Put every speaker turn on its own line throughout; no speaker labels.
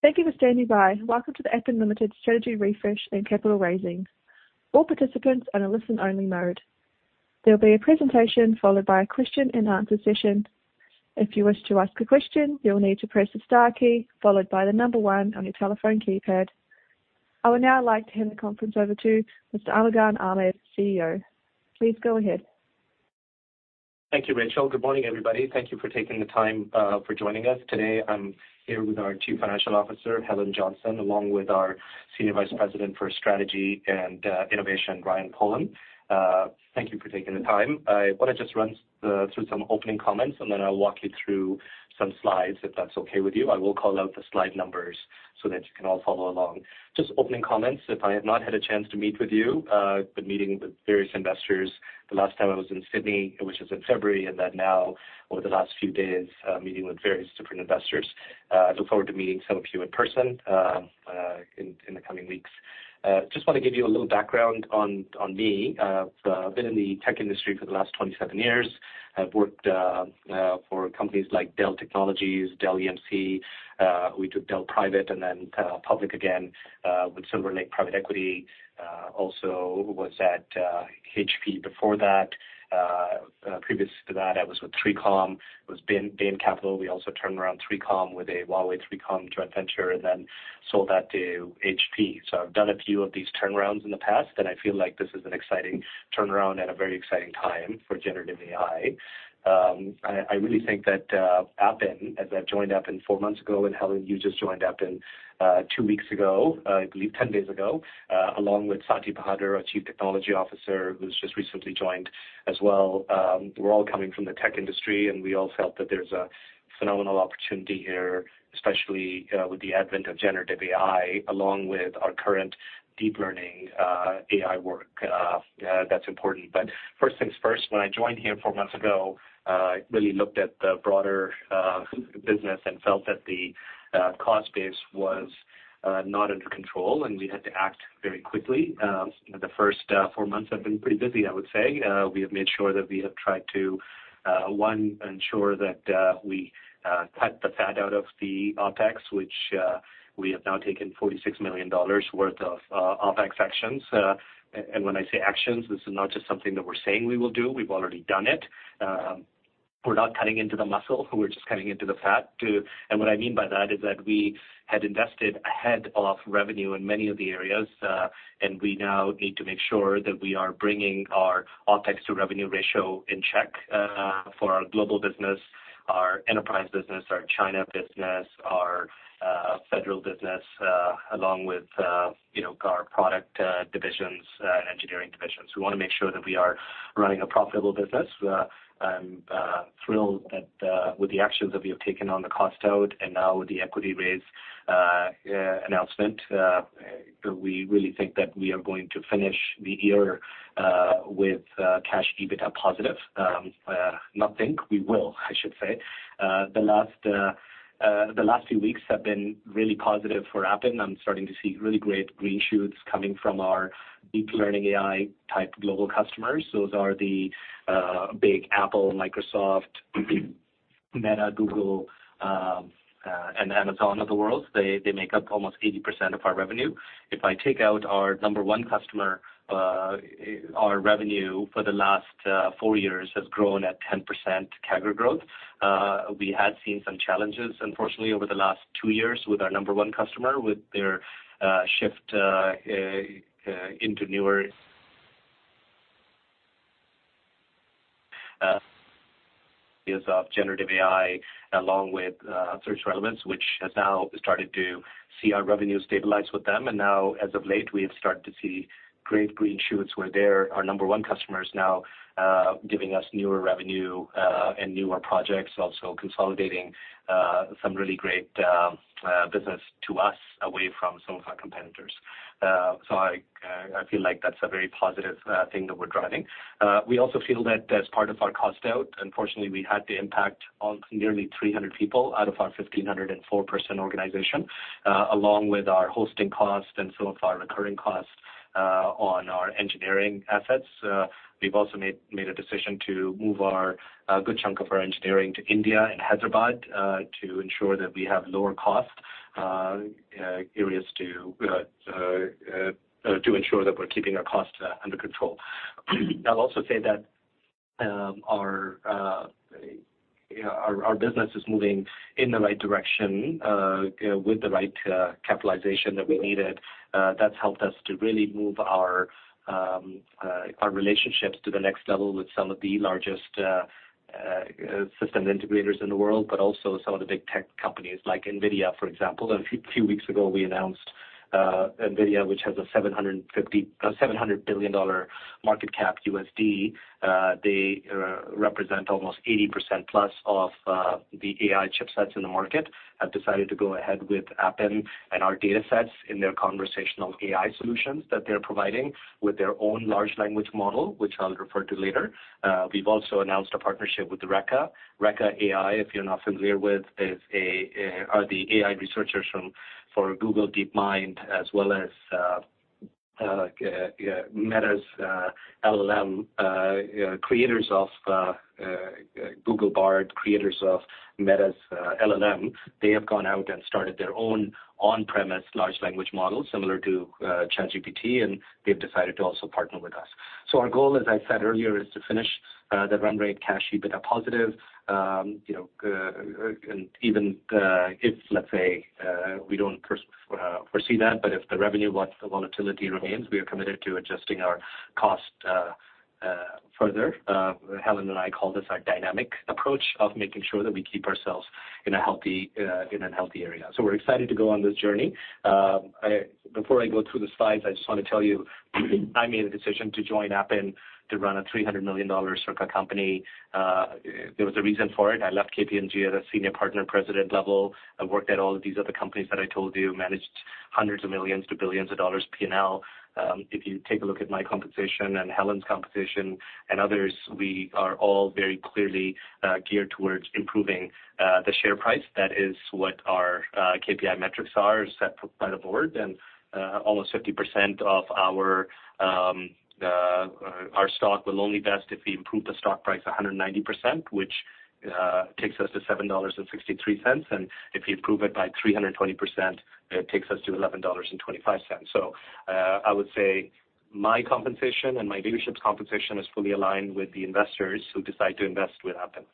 Thank you for standing by. Welcome to the Appen Limited Strategy Refresh and Capital Raising. All participants are in a listen only mode. There will be a presentation followed by a question and answer session. If you wish to ask a question, you'll need to press the star key followed by the one on your telephone keypad. I would now like to hand the conference over to Mr. Armughan Ahmad, CEO. Please go ahead.
Thank you, Rachel. Good morning, everybody. Thank you for taking the time for joining us today. I'm here with our Chief Financial Officer, Helen Johnson, along with our Senior Vice President for Strategy and Innovation, Ryan Kolln. Thank you for taking the time. I want to just run through some opening comments, and then I'll walk you through some slides, if that's okay with you. I will call out the slide numbers so that you can all follow along. Just opening comments. If I have not had a chance to meet with you, been meeting with various investors. The last time I was in Sydney, which was in February, and then now over the last few days, meeting with various different investors. I look forward to meeting some of you in person in the coming weeks. Just want to give you a little background on me. I've been in the tech industry for the last 27 years. I've worked for companies like Dell Technologies, Dell EMC. We took Dell private and then public again with Silver Lake Private Equity. Also was at HP before that. Previous to that, I was with 3Com. It was Bain Capital. We also turned around 3Com with a Huawei 3Com joint venture and then sold that to HP. I've done a few of these turnarounds in the past, and I feel like this is an exciting turnaround at a very exciting time for generative AI. I really think that Appen, as I've joined Appen four months ago, and Helen, you just joined Appen two weeks ago, I believe 10 days ago, along with Saty Bahadur, our Chief Technology Officer, who's just recently joined as well, we're all coming from the tech industry, and we all felt that there's a phenomenal opportunity here, especially with the advent of generative AI, along with our current deep learning AI work. That's important. First things first. When I joined here four months ago, I really looked at the broader business and felt that the cost base was not under control, and we had to act very quickly. The first four months have been pretty busy, I would say. We have made sure that we have tried to, one, ensure that we cut the fat out of the OpEx, which we have now taken $46 million worth of OpEx actions. When I say actions, this is not just something that we're saying we will do. We've already done it. We're not cutting into the muscle. We're just cutting into the fat. What I mean by that is that we had invested ahead of revenue in many of the areas, and we now need to make sure that we are bringing our OpEx to revenue ratio in check for our global business, our enterprise business, our China business, our federal business, along with, you know, our product divisions and engineering divisions. We want to make sure that we are running a profitable business. I'm thrilled that with the actions that we have taken on the cost out and now with the equity raise announcement, we really think that we are going to finish the year with cash EBITDA positive. Not think, we will, I should say. The last few weeks have been really positive for Appen. I'm starting to see really great green shoots coming from our deep learning AI type global customers. Those are the big Apple, Microsoft, Meta, Google, and Amazon of the world. They make up almost 80% of our revenue. If I take out our number one customer, our revenue for the last four years has grown at 10% CAGR growth. We had seen some challenges, unfortunately, over the last two years with our number one customer, with their shift into newer use of generative AI along with search relevance, which has now started to see our revenue stabilize with them. Now as of late, we have started to see great green shoots where they're, our number one customer, is now giving us newer revenue and newer projects, also consolidating some really great business to us away from some of our competitors. I feel like that's a very positive thing that we're driving. We also feel that as part of our cost out, unfortunately, we had to impact on nearly 300 people out of our 1,504 person organization, along with our hosting cost and some of our recurring costs on our engineering assets. We've also made a decision to move our, a good chunk of our engineering to India and Hyderabad to ensure that we have lower cost areas to ensure that we're keeping our costs under control. I'll also say that our business is moving in the right direction with the right capitalization that we needed. That's helped us to really move our relationships to the next level with some of the largest system integrators in the world, but also some of the big tech companies like NVIDIA, for example. A few weeks ago, we announced NVIDIA, which has a $700 billion market cap USD. They represent almost 80% plus of the AI chipsets in the market, have decided to go ahead with Appen and our datasets in their conversational AI solutions that they're providing with their own large language model, which I'll refer to later. We've also announced a partnership with Reka. Reka AI, if you're not familiar with, are the AI researchers for Google DeepMind, as well as Meta's LLM, creators of Google Bard, creators of Meta's LLM. They have gone out and started their own on-premise large language model similar to ChatGPT, and they've decided to also partner with us. Our goal, as I said earlier, is to finish the run rate cash EBITDA positive. You know, even if let's say we don't foresee that, but if the revenue volatility remains, we are committed to adjusting our cost further. Helen and I call this our dynamic approach of making sure that we keep ourselves in a healthy, in a healthy area. We're excited to go on this journey. Before I go through the slides, I just wanna tell you, I made a decision to join Appen to run a 300 million dollar circa company. There was a reason for it. I left KPMG at a senior partner, president level. I worked at all of these other companies that I told you, managed hundreds of millions to billions a dollars P&L. If you take a look at my compensation and Helen's compensation and others, we are all very clearly geared towards improving the share price. That is what our KPI metrics are, set by the board. Almost 50% of our stock will only vest if we improve the stock price 190%, which takes us to 7.63 dollars. If you improve it by 320%, it takes us to 11.25 dollars. I would say my compensation and my leadership's compensation is fully aligned with the investors who decide to invest with Appen.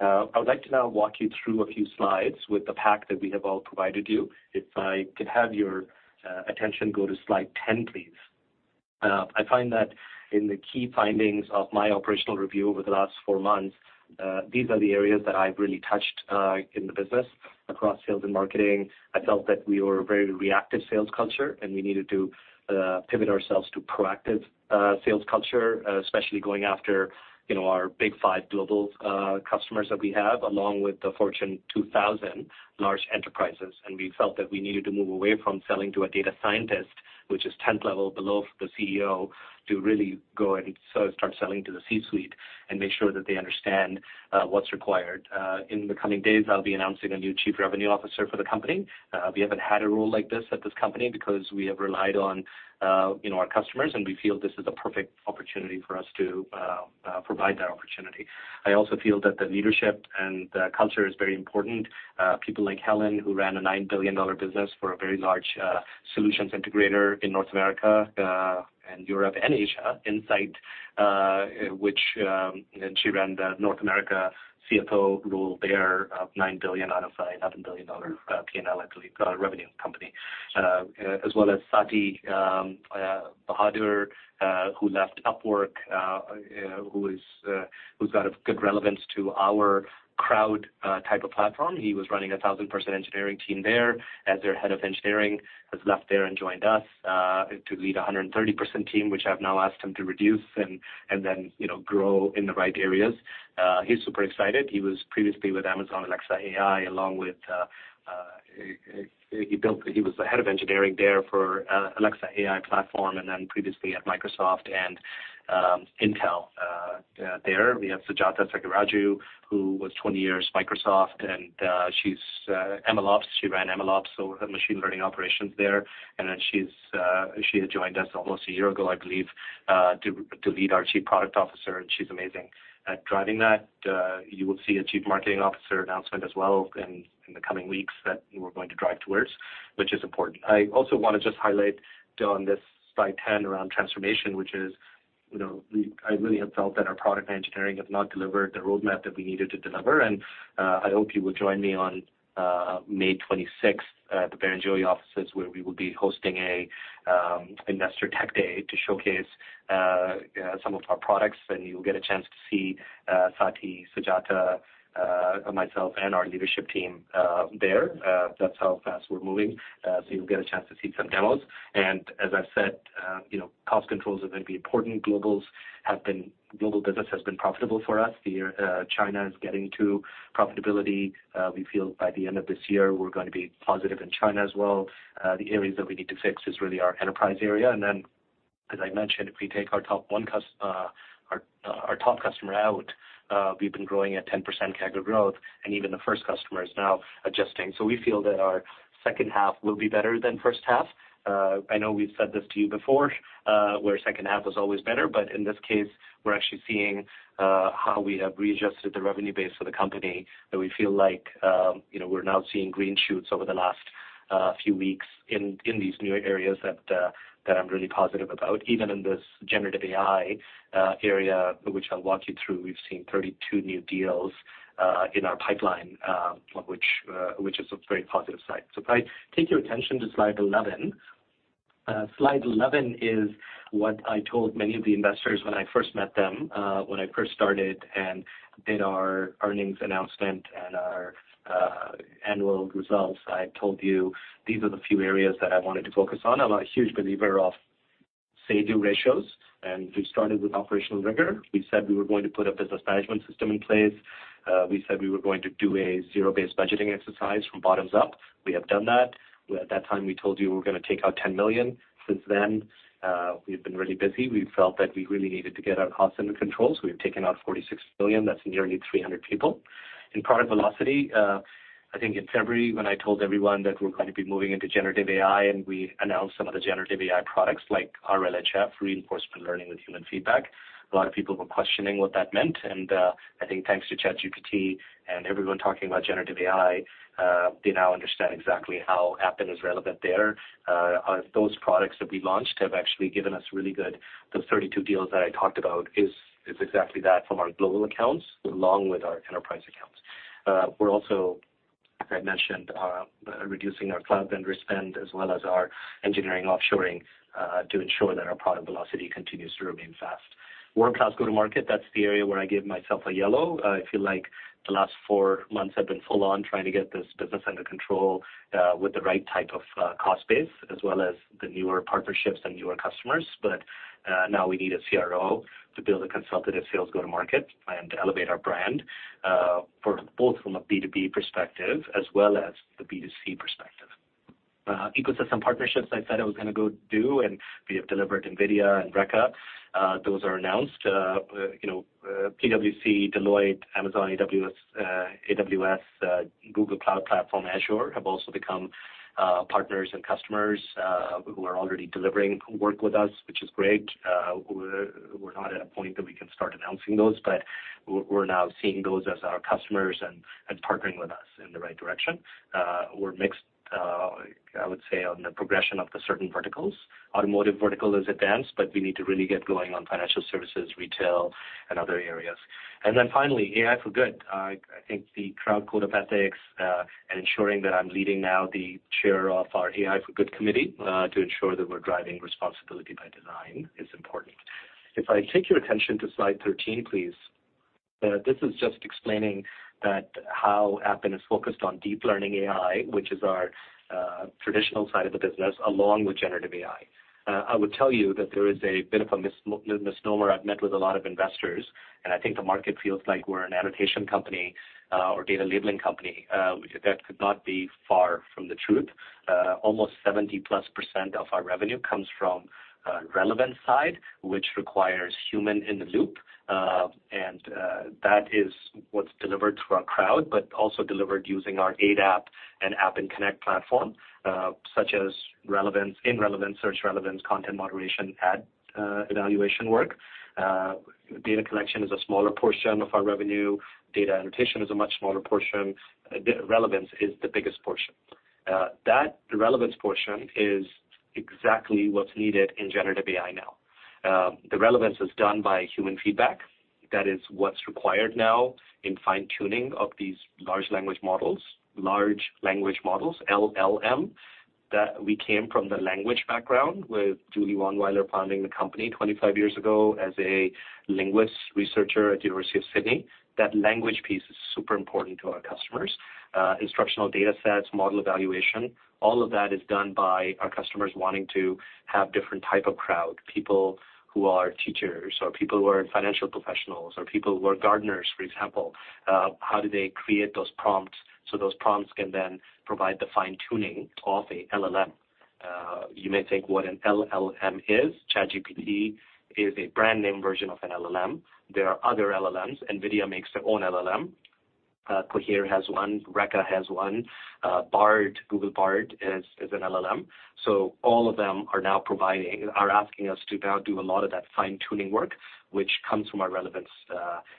I would like to now walk you through a few slides with the pack that we have all provided you. If I could have your attention go to slide 10, please. I find that in the key findings of my operational review over the last four months, these are the areas that I've really touched in the business. Across sales and marketing, I felt that we were a very reactive sales culture, we needed to pivot ourselves to proactive sales culture, especially going after, you know, our big five global customers that we have, along with the Fortune 2,000 large enterprises. We felt that we needed to move away from selling to a data scientist, which is 10th level below the CEO, to really go and so start selling to the C-suite and make sure that they understand what's required. In the coming days, I'll be announcing a new Chief Revenue Officer for the company. We haven't had a role like this at this company because we have relied on, you know, our customers, and we feel this is the perfect opportunity for us to provide that opportunity. I also feel that the leadership and the culture is very important. People like Helen, who ran a $9 billion business for a very large solutions integrator in North America, and Europe and Asia, Insight, which, and she ran the North America CFO role there of $9 billion out of $11 billion P&L I believe, revenue company. As well as Saty Bahadur, who left Upwork, who is, who's got a good relevance to our crowd type of platform. He was running a 1,000-person engineering team there as their Head of Engineering, has left there and joined us to lead a 130% team, which I've now asked him to reduce and then, you know, grow in the right areas. He's super excited. He was previously with Amazon Alexa AI, along with, he was the head of engineering there for Alexa AI platform and then previously at Microsoft and Intel there. We have Sujatha Sagiraju, who was 20 years Microsoft, she's MLOps. She ran MLOps, so machine learning operations there. She's, she had joined us almost a year ago, I believe, to lead our chief product officer, and she's amazing at driving that. You will see a chief marketing officer announcement as well in the coming weeks that we're going to drive towards, which is important. I also wanna just highlight on this slide 10 around transformation, which is, you know, I really have felt that our product engineering have not delivered the roadmap that we needed to deliver. I hope you will join me on May 26th at the Barrenjoey offices, where we will be hosting an Investor Tech Day to showcase some of our products, and you'll get a chance to see Saty, Sujatha, myself, and our leadership team there. That's how fast we're moving. You'll get a chance to see some demos. As I said, you know, cost controls are going to be important. Global business has been profitable for us. China is getting to profitability. We feel by the end of this year, we're going to be positive in China as well. The areas that we need to fix is really our enterprise area. As I mentioned, if we take our top one our top customer out, we've been growing at 10% CAGR growth, and even the first customer is now adjusting. We feel that our second half will be better than first half. I know we've said this to you before, where second half was always better, but in this case, we're actually seeing how we have readjusted the revenue base for the company, that we feel like, you know, we're now seeing green shoots over the last few weeks in these new areas that I'm really positive about. Even in this generative AI area, which I'll walk you through, we've seen 32 new deals in our pipeline, which is a very positive sign. If I take your attention to slide 11. Slide 11 is what I told many of the investors when I first met them, when I first started and did our earnings announcement and our annual results. I told you these are the few areas that I wanted to focus on. I'm a huge believer of say-do ratios, and we started with operational rigor. We said we were going to put a business management system in place. We said we were going to do a zero-based budgeting exercise from bottoms up. We have done that. At that time, we told you we're gonna take out 10 million. Since then, we've been really busy. We felt that we really needed to get our costs under control, we've taken out 46 billion. That's nearly 300 people. In product velocity, I think in February when I told everyone that we're going to be moving into generative AI, we announced some of the generative AI products like RLHF, reinforcement learning with human feedback, a lot of people were questioning what that meant. I think thanks to ChatGPT and everyone talking about generative AI, they now understand exactly how Appen is relevant there. Those products that we launched have actually given us really good... Those 32 deals that I talked about is exactly that from our global accounts, along with our enterprise accounts. We're also, as I mentioned, reducing our cloud vendor spend as well as our engineering offshoring, to ensure that our product velocity continues to remain fast. Workouts go-to-market, that's the area where I give myself a yellow. I feel like the last four months have been full on trying to get this business under control, with the right type of cost base, as well as the newer partnerships and newer customers. Now we need a CRO to build a consultative sales go-to-market and elevate our brand, for both from a B2B perspective as well as the B2C perspective. Ecosystem partnerships, I said I was gonna go do, and we have delivered NVIDIA and Reka. Those are announced. You know, PwC, Deloitte, Amazon, AWS, Google Cloud Platform, Azure, have also become partners and customers, who are already delivering work with us, which is great. We're not at a point that we can start announcing those, but we're now seeing those as our customers and partnering with us in the right direction. We're mixed, I would say, on the progression of the certain verticals. Automotive vertical is advanced, but we need to really get going on financial services, retail, and other areas. Finally, AI for Good. I think the crowd code of ethics, and ensuring that I'm leading now the chair of our AI for Good committee, to ensure that we're driving responsibility by design is important. If I take your attention to slide 13, please. This is just explaining that how Appen is focused on deep learning AI, which is our traditional side of the business, along with generative AI. I would tell you that there is a bit of a misnomer. I've met with a lot of investors, and I think the market feels like we're an annotation company, or data labeling company, which that could not be far from the truth. Almost 70%+ of our revenue comes from relevance side, which requires human in the loop, and that is what's delivered through our crowd, but also delivered using our ADAP and Appen Connect platform, such as relevance, in relevance, search relevance, content moderation, ad evaluation work. Data collection is a smaller portion of our revenue. Data annotation is a much smaller portion. Relevance is the biggest portion. That relevance portion is exactly what's needed in generative AI now. The relevance is done by human feedback. That is what's required now in fine-tuning of these large language models, LLM, that we came from the language background with Julie Vonwiller founding the company 25 years ago as a linguist researcher at University of Sydney. That language piece is super important to our customers. Instructional data sets, model evaluation, all of that is done by our customers wanting to have different type of crowd, people who are teachers or people who are financial professionals or people who are gardeners, for example. How do they create those prompts so those prompts can then provide the fine-tuning of a LLM? You may think what an LLM is. ChatGPT is a brand name version of an LLM. There are other LLMs. NVIDIA makes their own LLM. Cohere has one. Reka has one. Bard, Google Bard is an LLM. All of them are now asking us to now do a lot of that fine-tuning work, which comes from our relevance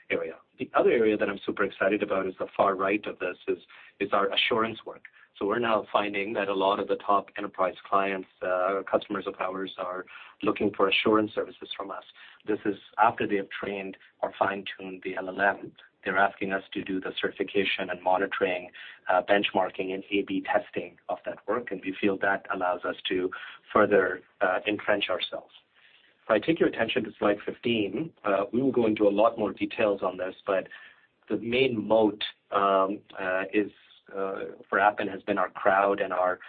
area. The other area that I'm super excited about is the far right of this, is our assurance work. We're now finding that a lot of the top enterprise clients or customers of ours are looking for assurance services from us. This is after they have trained or fine-tuned the LLM. They're asking us to do the certification and monitoring benchmarking and A/B testing of that work, and we feel that allows us to further entrench ourselves. If I take your attention to slide 15, we will go into a lot more details on this, but the main moat for Appen has been our crowd and our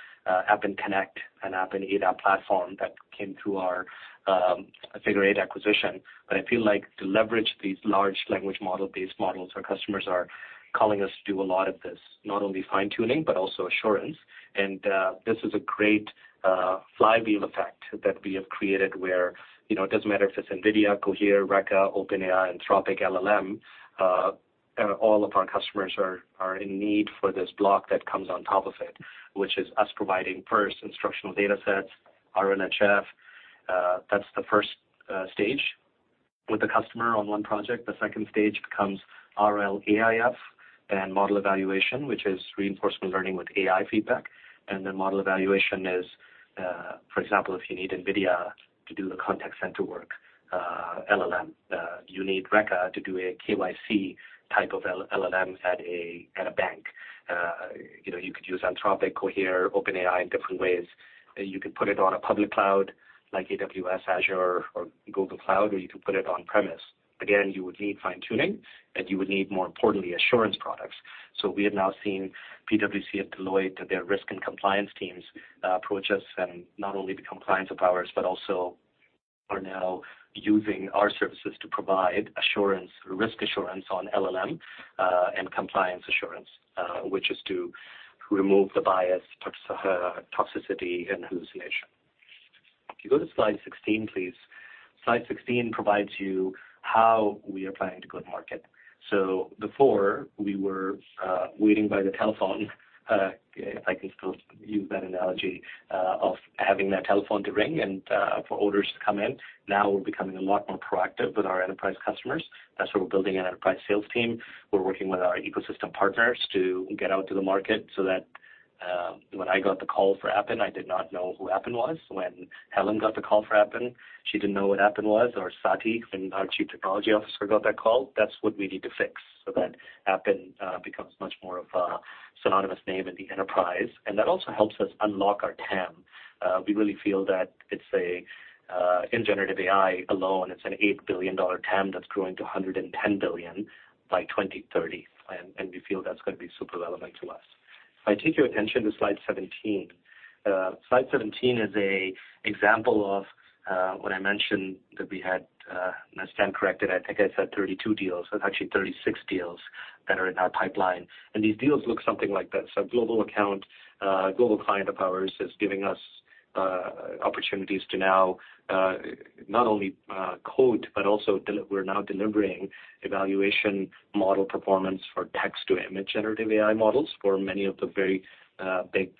Appen Connect and Appen ADAP platform that came through our Figure Eight acquisition. I feel like to leverage these large language model-based models, our customers are calling us to do a lot of this, not only fine-tuning, but also assurance. This is a great flywheel effect that we have created where, you know, it doesn't matter if it's NVIDIA, Cohere, Reka, OpenAI, Anthropic LLM, all of our customers are in need for this block that comes on top of it, which is us providing first instructional data sets, RLHF. That's the first stage with the customer on one project. The second stage becomes RLAIF and model evaluation, which is reinforcement learning with AI feedback. Model evaluation is, for example, if you need NVIDIA to do the contact center work, LLM. You need Reka to do a KYC type of LLM at a bank. You know, you could use Anthropic, Cohere, OpenAI in different ways. You could put it on a public cloud like AWS, Azure or Google Cloud, or you could put it on premise. Again, you would need fine-tuning, and you would need, more importantly, assurance products. We have now seen PwC at Deloitte, their risk and compliance teams, approach us and not only become clients of ours, but also are now using our services to provide assurance, risk assurance on LLM, and compliance assurance, which is to remove the bias, toxicity, and hallucination. If you go to slide 16, please. Slide 16 provides you how we are planning to go to market. Before we were waiting by the telephone, if I can still use that analogy, of having that telephone to ring and for orders to come in. Now we're becoming a lot more proactive with our enterprise customers. That's why we're building an enterprise sales team. We're working with our ecosystem partners to get out to the market. When I got the call for Appen, I did not know who Appen was. When Helen got the call for Appen, she didn't know what Appen was or Saty, when our Chief Technology Officer got that call. That's what we need to fix, so that Appen becomes much more of a synonymous name in the enterprise. That also helps us unlock our TAM. We really feel that in generative AI alone, it's an $8 billion TAM that's growing to $110 billion by 2030. We feel that's gonna be super relevant to us. If I take your attention to slide 17. Slide 17 is a example of when I mentioned that we had, I stand corrected, I think I said 32 deals. It's actually 36 deals that are in our pipeline. These deals look something like this. A global client of ours is giving us opportunities to now not only code, but also we're now delivering evaluation model performance for text-to-image generative AI models for many of the very big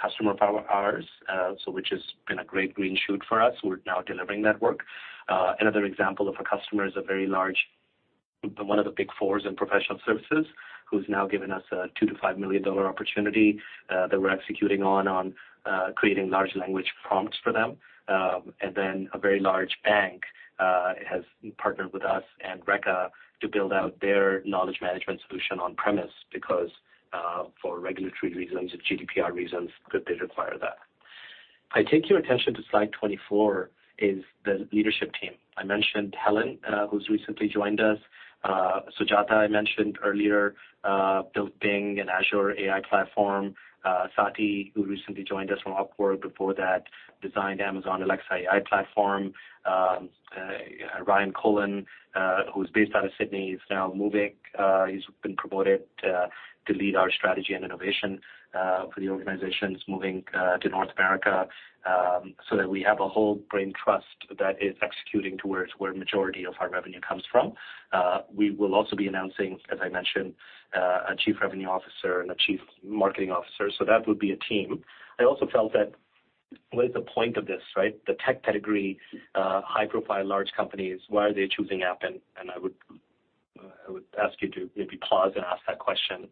customer of ours, so which has been a great green shoot for us. We're now delivering that work. Another example of a customer is a very large One of the Big Four in professional services, who's now given us an 2 million-5 million dollar opportunity that we're executing on creating large language prompts for them. A very large bank has partnered with us and Reka to build out their knowledge management solution on premise because for regulatory reasons, GDPR reasons that they require that. If I take your attention to slide 24, is the leadership team. I mentioned Helen, who's recently joined us. Sujatha, I mentioned earlier, built Bing and Azure AI platform. Saty, who recently joined us from Upwork, before that, designed Amazon Alexa AI platform. Ryan Kolln, who's based out of Sydney, is now moving. He's been promoted to lead our strategy and innovation for the organizations moving to North America, that we have a whole brain trust that is executing towards where majority of our revenue comes from. We will also be announcing, as I mentioned, a Chief Revenue Officer and a Chief Marketing Officer. That would be a team. I also felt that what is the point of this, right? The tech pedigree, high-profile, large companies, why are they choosing Appen? I would ask you to maybe pause and ask that question.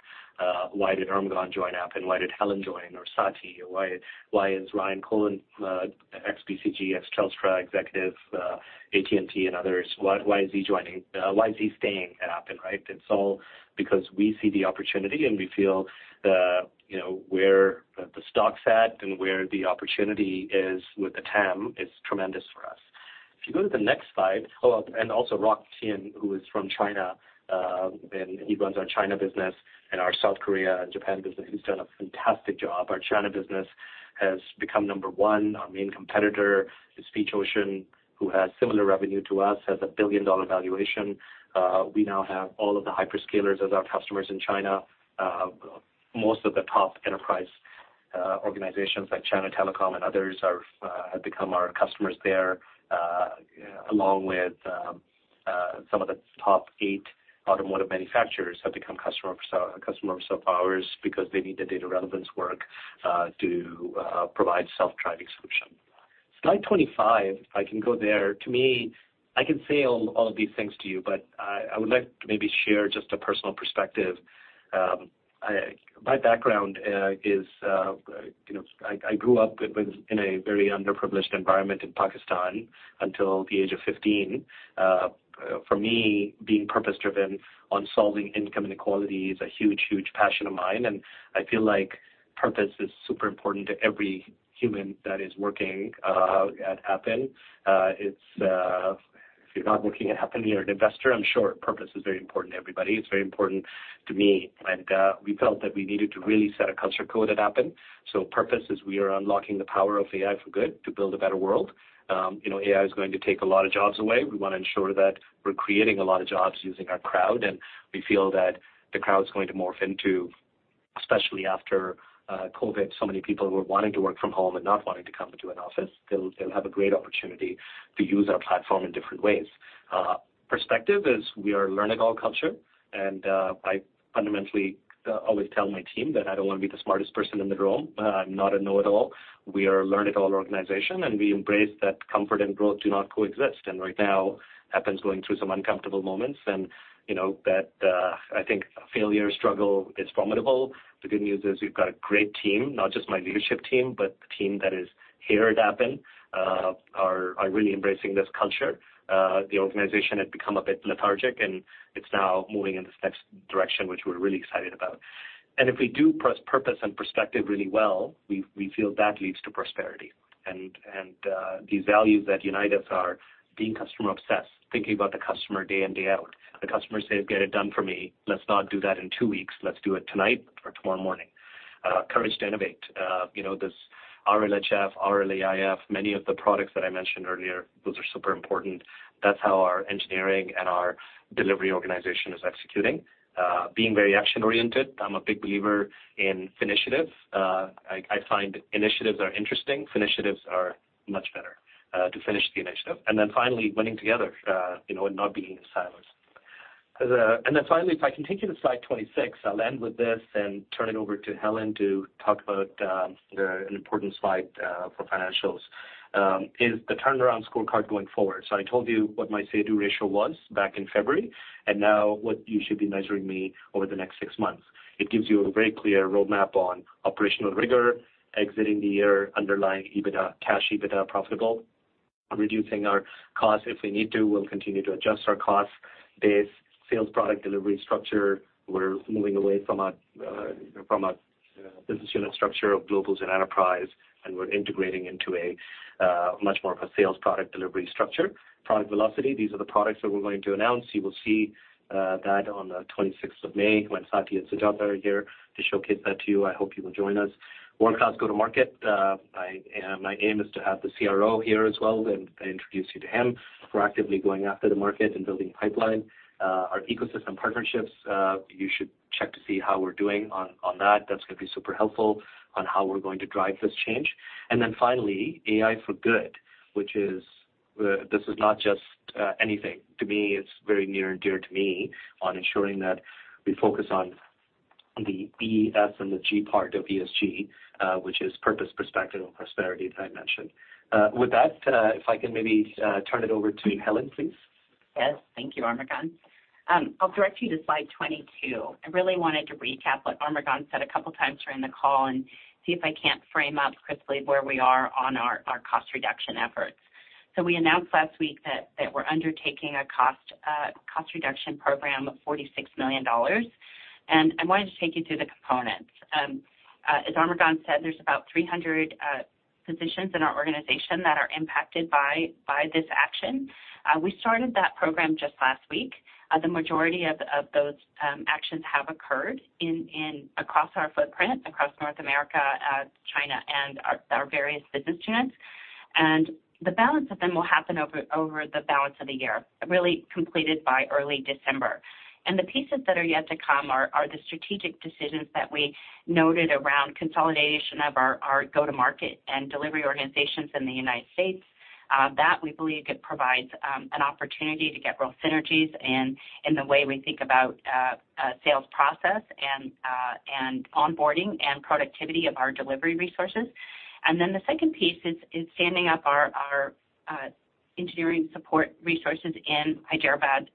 Why did Armughan join Appen? Why did Helen join or Saty? Why is Ryan Kolln, ex-BCG, ex-Telstra executive, AT&T and others, why is he staying at Appen, right? It's all because we see the opportunity, and we feel the, you know, where the stock's at and where the opportunity is with the TAM is tremendous for us. If you go to the next slide. Also Roc Tian, who is from China, and he runs our China business and our South Korea and Japan business. He's done a fantastic job. Our China business has become number 1. Our main competitor is SpeechOcean, who has similar revenue to us, has an 1 billion dollar valuation. We now have all of the hyperscalers as our customers in China. Most of the top enterprise organizations like China Telecom and others have become our customers there, along with some of the top 8 automotive manufacturers have become customers of ours because they need the data relevance work to provide self-driving solution. Slide 25, if I can go there. To me, I can say all of these things to you, but I would like to maybe share just a personal perspective. My background is, you know, I grew up in a very underprivileged environment in Pakistan until the age of 15. For me, being purpose driven on solving income inequality is a huge passion of mine, and I feel like purpose is super important to every human that is working at Appen. It's, if you're not working at Appen, you're an investor. I'm sure purpose is very important to everybody. It's very important to me. We felt that we needed to really set a culture code at Appen. Purpose is we are unlocking the power of AI for good to build a better world. You know, AI is going to take a lot of jobs away. We wanna ensure that we're creating a lot of jobs using our crowd, we feel that the crowd's going to morph into, especially after COVID, so many people who are wanting to work from home and not wanting to come into an office, they'll have a great opportunity to use our platform in different ways. Perspective is we are learn it all culture. I fundamentally always tell my team that I don't wanna be the smartest person in the room. I'm not a know-it-all. We are a learn-it-all organization, we embrace that comfort and growth do not coexist. Right now, Appen's going through some uncomfortable moments and, you know, that, I think failure, struggle is formidable. The good news is we've got a great team, not just my leadership team, but the team that is here at Appen are really embracing this culture. The organization had become a bit lethargic, and it's now moving in this next direction, which we're really excited about. If we do purpose and perspective really well, we feel that leads to prosperity. These values that unite us are being customer obsessed, thinking about the customer day in, day out. The customer says, "Get it done for me." Let's not do that in two weeks. Let's do it tonight or tomorrow morning. Courage to innovate. You know, this RLHF, RLAIF, many of the products that I mentioned earlier, those are super important. That's how our engineering and our delivery organization is executing. Being very action-oriented. I'm a big believer in finitives. I find initiatives are interesting. Finitives are much better to finish the initiative. Finally, winning together, you know, and not being in silos. Finally, if I can take you to slide 26, I'll end with this and turn it over to Helen to talk about an important slide for financials. Is the turnaround scorecard going forward. I told you what my say-do ratio was back in February and now what you should be measuring me over the next six months. It gives you a very clear roadmap on operational rigor, exiting the year underlying EBITDA, cash EBITDA profitable, reducing our costs if we need to. We'll continue to adjust our cost base sales, product delivery structure. We're moving away from a from a business unit structure of globals and enterprise, and we're integrating into a much more of a sales product delivery structure. Product velocity. These are the products that we're going to announce. You will see that on the 26th of May, when Saty and Sujatha are here to showcase that to you. I hope you will join us. Workouts go to market. My aim is to have the CRO here as well, and I introduce you to him. We're actively going after the market and building pipeline. Our ecosystem partnerships, you should check to see how we're doing on that. That's going to be super helpful on how we're going to drive this change. Finally, AI for Good, which is. This is not just anything. To me, it's very near and dear to me on ensuring that we focus on the ES and the G part of ESG, which is purpose, perspective, and prosperity, as I mentioned. With that, if I can maybe turn it over to Helen, please.
Yes. Thank you, Armughan. I'll direct you to slide 22. I really wanted to recap what Armughan said a couple of times during the call and see if I can't frame up crisply where we are on our cost reduction efforts. We announced last week that we're undertaking a cost reduction program of 46 million dollars. I wanted to take you through the components. As Armughan said, there's about 300 positions in our organization that are impacted by this action. We started that program just last week. The majority of those actions have occurred across our footprint, across North America, China and our various business units. The balance of them will happen over the balance of the year, really completed by early December. The pieces that are yet to come are the strategic decisions that we noted around consolidation of our go-to-market and delivery organizations in the United States. That we believe could provide an opportunity to get real synergies in the way we think about sales process and onboarding and productivity of our delivery resources. The second piece is standing up our engineering support resources in Hyderabad,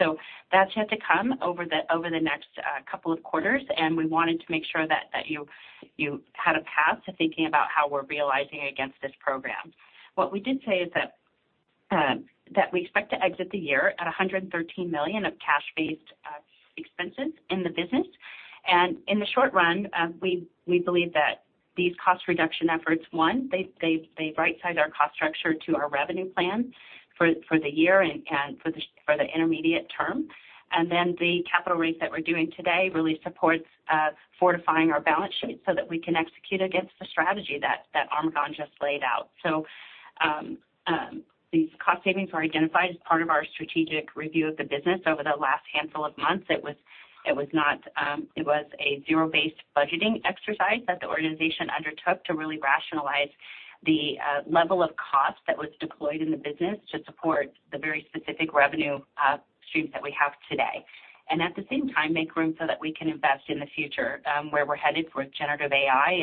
India. That's yet to come over the next couple of quarters, and we wanted to make sure that you had a path to thinking about how we're realizing against this program. What we did say is that we expect to exit the year at 113 million of cash-based expenses in the business. In the short run, we believe that these cost reduction efforts, one, they right-size our cost structure to our revenue plan for the year and for the intermediate term. Then the capital raise that we're doing today really supports fortifying our balance sheet so that we can execute against the strategy that Armughan just laid out. These cost savings were identified as part of our strategic review of the business over the last handful of months. It was not. It was a zero-based budgeting exercise that the organization undertook to really rationalize the level of cost that was deployed in the business to support the very specific revenue streams that we have today. At the same time, make room so that we can invest in the future, where we're headed for generative AI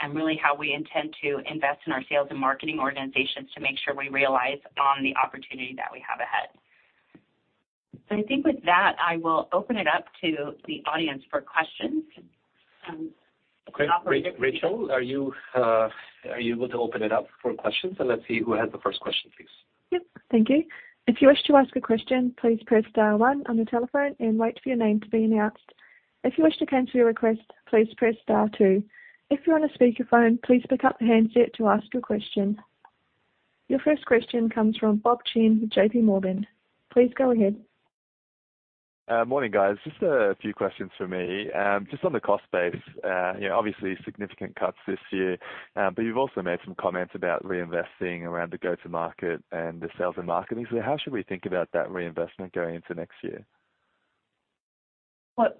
and really how we intend to invest in our sales and marketing organizations to make sure we realize on the opportunity that we have ahead. I think with that, I will open it up to the audience for questions.
Okay. Rachel, are you able to open it up for questions? Let's see who has the first question, please.
Yep. Thank you. If you wish to ask a question, please press star one on the telephone and wait for your name to be announced. If you wish to cancel your request, please press star two. If you're on a speakerphone, please pick up the handset to ask your question. Your first question comes from Bob Chen with JPMorgan. Please go ahead.
Morning, guys. Just a few questions from me. Just on the cost base, you know, obviously significant cuts this year, but you've also made some comments about reinvesting around the go-to-market and the sales and marketing. How should we think about that reinvestment going into next year?
Well,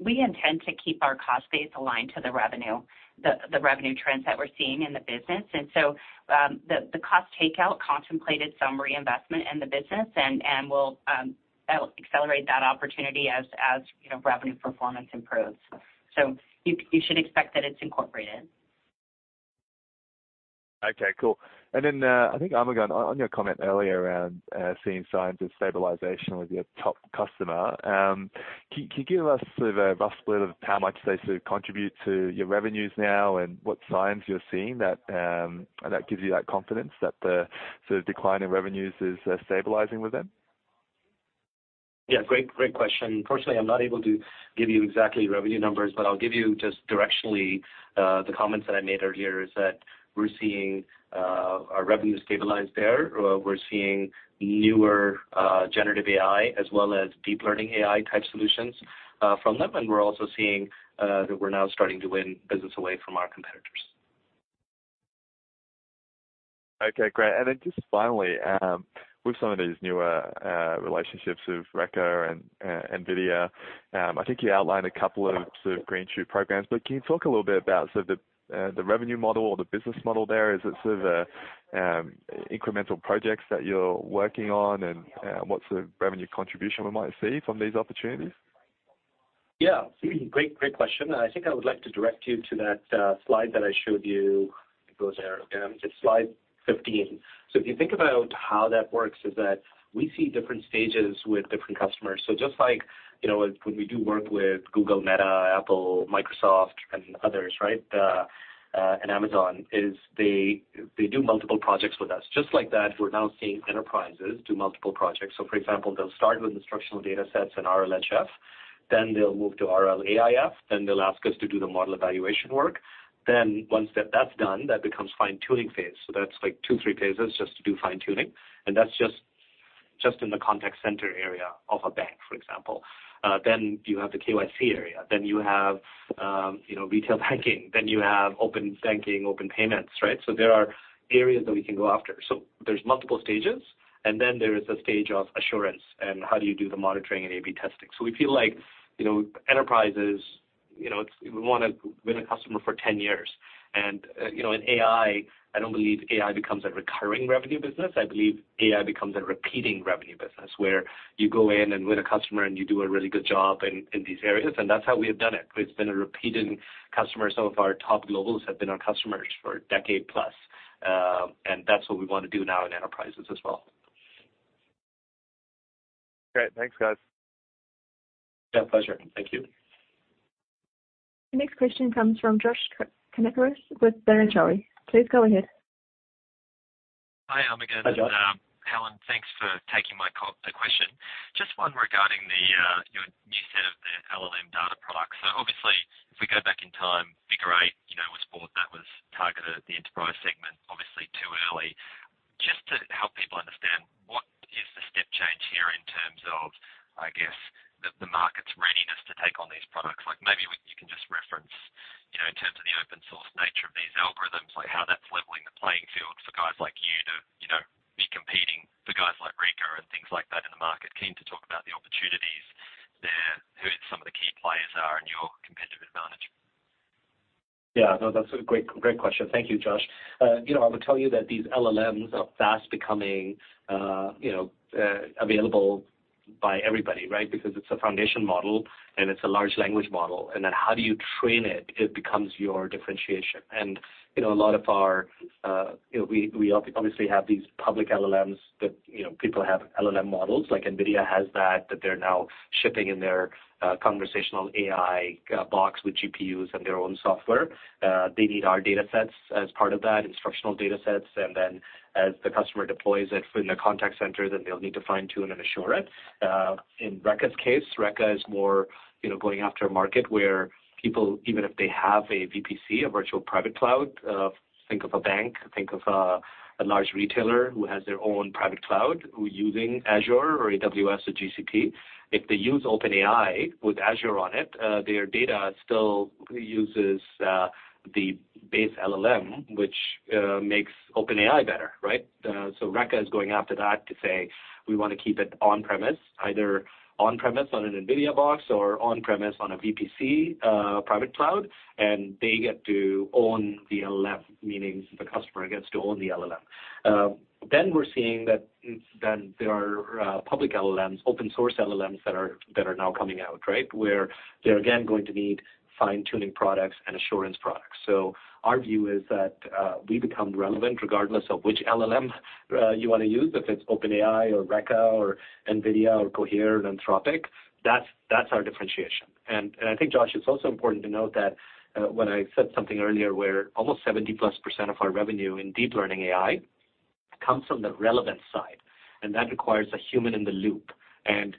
we intend to keep our cost base aligned to the revenue trends that we're seeing in the business. The cost takeout contemplated some reinvestment in the business and we'll that will accelerate that opportunity as, you know, revenue performance improves. You, you should expect that it's incorporated.
Okay, cool. I think, Armughan, on your comment earlier around, seeing signs of stabilization with your top customer, can you give us sort of a rough split of how much they sort of contribute to your revenues now and what signs you're seeing that gives you that confidence that the sort of decline in revenues is stabilizing with them?
Yeah, great question. Unfortunately, I'm not able to give you exactly revenue numbers, but I'll give you just directionally, the comments that I made earlier is that we're seeing our revenue stabilize there. We're seeing newer, generative AI as well as deep learning AI type solutions, from them. We're also seeing that we're now starting to win business away from our competitors.
Okay, great. Just finally, with some of these newer, relationships with Reka and NVIDIA, I think you outlined a couple of sort of green shoot programs, but can you talk a little bit about sort of the revenue model or the business model there? Is it sort of, incremental projects that you're working on, and, what's the revenue contribution we might see from these opportunities?
Yeah. Great, great question. I think I would like to direct you to that slide that I showed you. It goes there. It's slide 15. If you think about how that works is that we see different stages with different customers. Just like, you know, when we do work with Google, Meta, Apple, Microsoft and others, right? Amazon is they do multiple projects with us. Just like that, we're now seeing enterprises do multiple projects. For example, they'll start with instructional datasets and RLHF, then they'll move to RLAIF, then they'll ask us to do the model evaluation work. Once that's done, that becomes fine-tuning phase. That's like two, three phases just to do fine tuning. That's just in the contact center area of a bank, for example. You have the KYC area, then you have, you know, retail banking, then you have open banking, open payments, right. There are areas that we can go after. There's multiple stages, and then there is a stage of assurance. How do you do the monitoring and A/B testing? We feel like, you know, enterprises, you know, we wanna win a customer for 10 years. You know, in AI, I don't believe AI becomes a recurring revenue business. I believe AI becomes a repeating revenue business where you go in and win a customer, and you do a really good job in these areas, and that's how we have done it. It's been a repeating customer. Some of our top globals have been our customers for a decade plus, that's what we want to do now in enterprises as well.
Great. Thanks, guys.
Yeah, pleasure. Thank you.
The next question comes from Josh Kannourakis with Barrenjoey. Please go ahead.
Hi, Armughan.
Hi, Josh.
Helen, thanks for taking my question. Just one regarding the your new set of the LLM data products. Obviously, if we go back in time, Figure Eight, you know, was bought that was targeted at the enterprise segment, obviously too early. Just to help people understand, what is the step change here in terms of, I guess, the market's readiness to take on these products? Like maybe you can just reference, you know, in terms of the open source nature of these algorithms, like how that's leveling the playing field for guys like you to, you know, be competing for guys like Reka and things like that in the market. Keen to talk about the opportunities there, who some of the key players are, and your competitive advantage.
Yeah, no, that's a great question. Thank you, Josh. You know, I would tell you that these LLMs are fast becoming, you know, available by everybody, right? Because it's a foundation model, and it's a large language model. How do you train it becomes your differentiation. You know, a lot of our, you know, we obviously have these public LLMs that, you know, people have LLM models, like NVIDIA has that they're now shipping in their conversational AI box with GPUs and their own software. They need our datasets as part of that, instructional datasets. As the customer deploys it in their contact center, then they'll need to fine-tune and assure it. In Reka's case, Reka is more, you know, going after a market where people, even if they have a VPC, a virtual private cloud, think of a bank, think of a large retailer who has their own private cloud who's using Azure or AWS or GCP. If they use OpenAI with Azure on it, their data still uses the base LLM, which makes OpenAI better, right? Reka is going after that to say, "We wanna keep it on premise, either on premise on an NVIDIA box or on premise on a VPC, private cloud." They get to own the LLM, meaning the customer gets to own the LLM. We're seeing that then there are public LLMs, open source LLMs that are now coming out, right? Where they're again going to need fine-tuning products and assurance products. Our view is that, we become relevant regardless of which LLM, you wanna use, if it's OpenAI or Reka or NVIDIA or Cohere, Anthropic. That's, that's our differentiation. I think, Josh, it's also important to note that, when I said something earlier, where almost 70%+ of our revenue in deep learning AI comes from the relevance side, and that requires a human in the loop.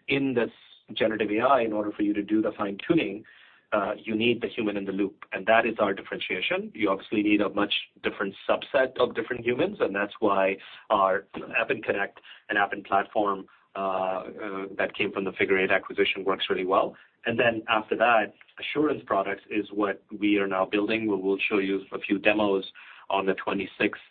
In this generative AI, in order for you to do the fine-tuning, you need the human in the loop, and that is our differentiation. You obviously need a much different subset of different humans, and that's why our Appen Connect and Appen platform, that came from the Figure Eight acquisition works really well. After that, assurance products is what we are now building. We will show you a few demos on the 26th.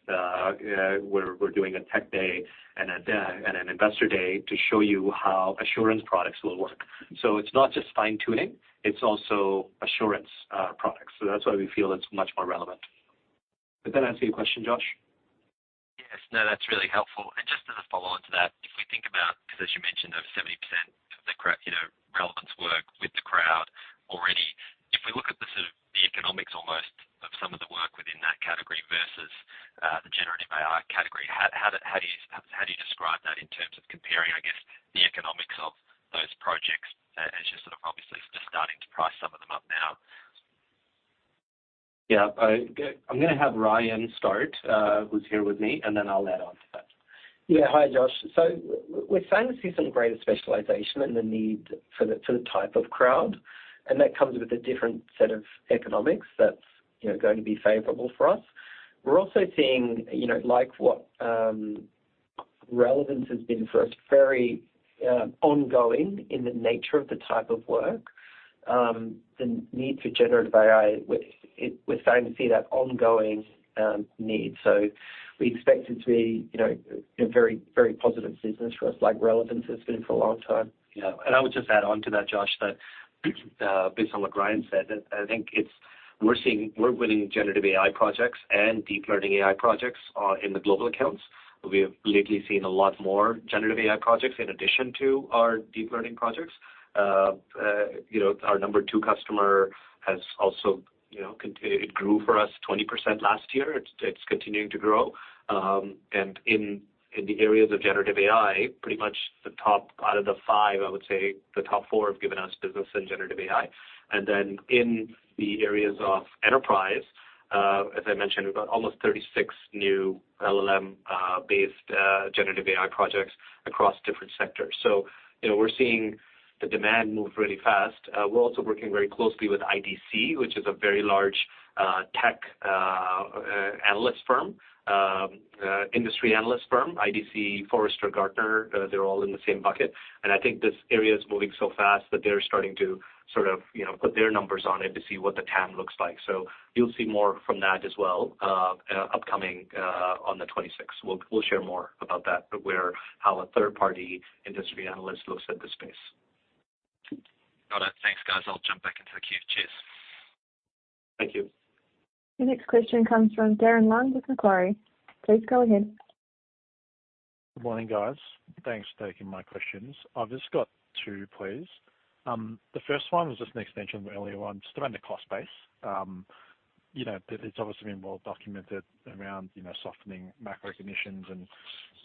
We're doing a tech day and an investor day to show you how assurance products will work. It's not just fine-tuning, it's also assurance products. That's why we feel it's much more relevant. Did that answer your question, Josh?
Yes. No, that's really helpful. Just as a follow-on to that, if we think about, 'cause as you mentioned, of 70% of the correct, you know, relevance work with the crowd already. If we look at the sort of the economics almost of some of the work within that category versus the generative AI category, how do you describe that in terms of comparing, I guess, the economics of those projects as you're sort of obviously just starting to price some of them up now?
Yeah. I'm gonna have Ryan start, who's here with me, and then I'll add on to that.
Yeah. Hi, Josh. We're starting to see some greater specialization and the need for the, for the type of crowd, and that comes with a different set of economics that's, you know, going to be favorable for us. We're also seeing, you know, like what, relevance has been for us, very, ongoing in the nature of the type of work. The need for generative AI, we're starting to see that ongoing need. We expect it to be, you know, a very, very positive business for us, like relevance has been for a long time.
Yeah. I would just add on to that, Josh, that based on what Ryan said, that I think we're winning generative AI projects and deep learning AI projects in the global accounts. We have lately seen a lot more generative AI projects in addition to our deep learning projects. you know, our number two customer has also, you know, continued. It grew for us 20% last year. It's continuing to grow. In the areas of generative AI, pretty much the top out of the five, I would say the top four have given us business in generative AI. In the areas of enterprise, as I mentioned, we've got almost 36 new LLM based generative AI projects across different sectors. you know, we're seeing the demand move really fast. We're also working very closely with IDC, which is a very large tech analyst firm, industry analyst firm. IDC, Forrester, Gartner, they're all in the same bucket. I think this area is moving so fast that they're starting to sort of, you know, put their numbers on it to see what the TAM looks like. You'll see more from that as well, upcoming on the 26th. We'll share more about that, but where how a third-party industry analyst looks at the space.
Got it. Thanks, guys. I'll jump back into the queue. Cheers.
Thank you.
The next question comes from Darren Leung with Macquarie. Please go ahead.
Good morning, guys. Thanks for taking my questions. I've just got two, please. The first one was just an extension of an earlier one just around the cost base. You know, it's obviously been well documented around, you know, softening macro conditions and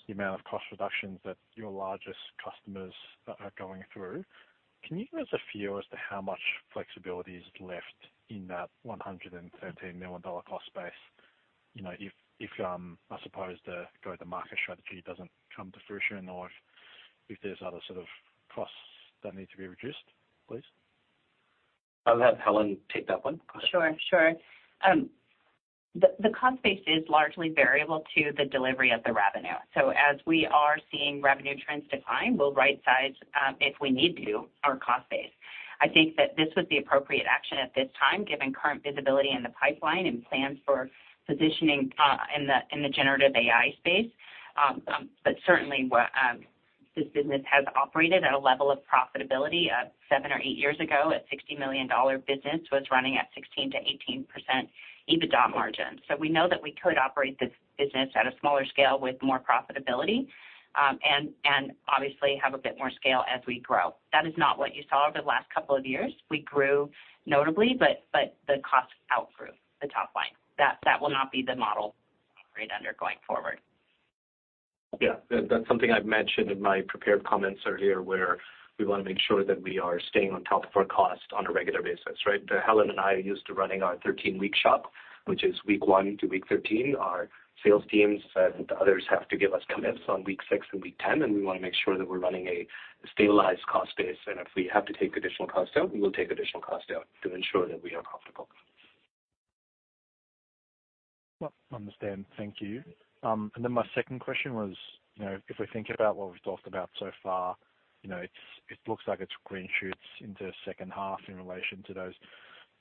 the amount of cost reductions that your largest customers are going through. Can you give us a feel as to how much flexibility is left in that 113 million dollar cost base? You know, if I suppose the go to market strategy doesn't come to fruition or if there's other sort of costs that need to be reduced, please.
I'll have Helen take that one.
Sure, sure. The cost base is largely variable to the delivery of the revenue. As we are seeing revenue trends decline, we'll rightsize, if we need to, our cost base. I think that this was the appropriate action at this time, given current visibility in the pipeline and plans for positioning in the generative AI space. Certainly what this business has operated at a level of profitability, seven or eight years ago, a $60 million business was running at 16%-18% EBITDA margin. We know that we could operate this business at a smaller scale with more profitability, and obviously have a bit more scale as we grow. That is not what you saw over the last couple of years. We grew notably, but the cost outgrew the top line. That will not be the model operate under going forward.
That's something I've mentioned in my prepared comments earlier, where we want to make sure that we are staying on top of our cost on a regular basis, right? Helen and I are used to running our 13-week shop, which is week one to week 13. Our sales teams and others have to give us commits on week six and week 10, we want to make sure that we're running a stabilized cost base. If we have to take additional cost out, we will take additional cost out to ensure that we are profitable.
Well, understand. Thank you. My second question was, you know, if we think about what we've talked about so far, you know, it's, it looks like it's green shoots into second half in relation to those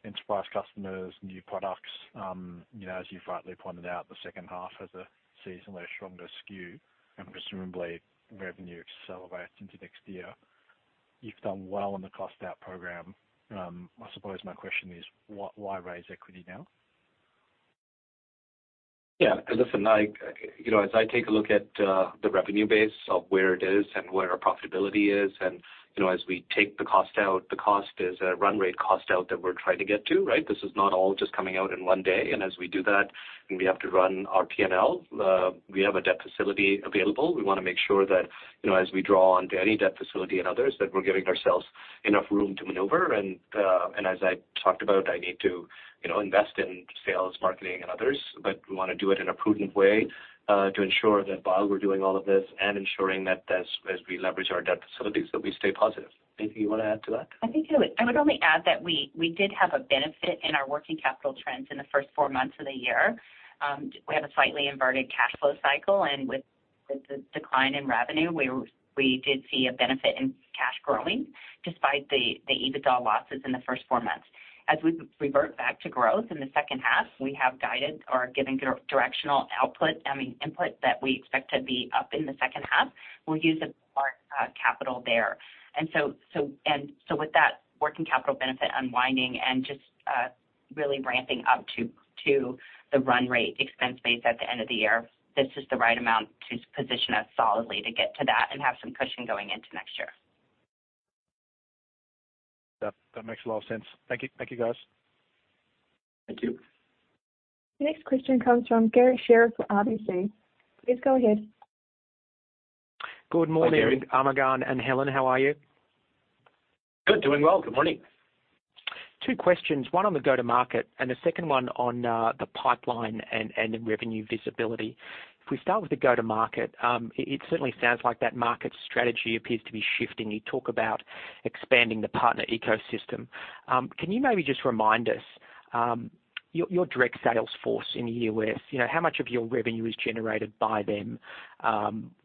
enterprise customers, new products. You know, as you've rightly pointed out, the second half has a seasonally stronger skew, presumably revenue accelerates into next year. You've done well on the cost out program. I suppose my question is, why raise equity now?
Yeah. Listen, I, you know, as I take a look at, the revenue base of where it is and where our profitability is, you know, as we take the cost out, the cost is a run rate cost out that we're trying to get to, right? This is not all just coming out in one day. As we do that and we have to run our P&L, we have a debt facility available. We want to make sure that, you know, as we draw on to any debt facility and others, that we're giving ourselves enough room to maneuver. As I talked about, I need to, you know, invest in sales, marketing, and others. We want to do it in a prudent way, to ensure that while we're doing all of this and ensuring that as we leverage our debt facilities, that we stay positive. Anything you want to add to that?
I think I would only add that we did have a benefit in our working capital trends in the first four months of the year. We have a slightly inverted cash flow cycle, and with the decline in revenue, we did see a benefit in cash growing despite the EBITDA losses in the first four months. As we revert back to growth in the second half, we have guided or given directional input that we expect to be up in the second half. We'll use a part capital there. With that working capital benefit unwinding and just really ramping up to the run rate expense base at the end of the year, this is the right amount to position us solidly to get to that and have some cushion going into next year.
That makes a lot of sense. Thank you. Thank you, guys.
Thank you.
The next question comes from Garry Sherriff with RBC. Please go ahead.
Good morning.
Hi, Garry.
Armughan and Helen. How are you?
Good. Doing well. Good morning.
Two questions. One on the go-to-market and the second one on the pipeline and revenue visibility. If we start with the go-to-market, it certainly sounds like that market strategy appears to be shifting. You talk about expanding the partner ecosystem. Can you maybe just remind us, your direct sales force in the U.S., you know, how much of your revenue is generated by them?